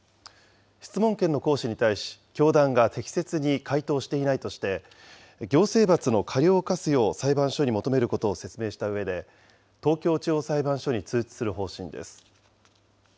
質問権の行使に対し、教団が適切に回答していないとして、行政罰の過料を科すよう裁判所に求めることを説明したうえで、東京地方裁判所に通知する方針です。